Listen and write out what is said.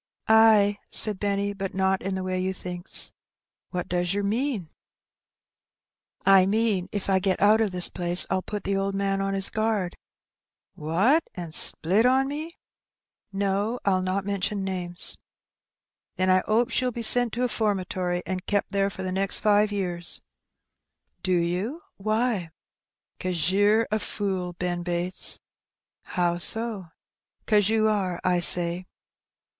Ay," said Benny, "but not in the way you thinks." cc tc "What does yer mean? 31 190 Hbe Benny. I mean, if I get oat of this place> TU put the old man on his guard/' ''What, an' split on m^? ''No, ril not mention namei.^ " Then I 'opes ye'U be sent to a 'fbrmatory an' kep' there for the next five year." Do you? Why?" 'Cause yer a fool, Ben Bates." "How so?" '"Cause ye are, I say."